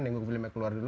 nunggu filmnya keluar dulu